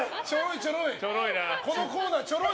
ちょろいちょろい。